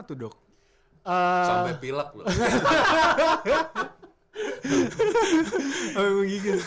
sampai pilek lu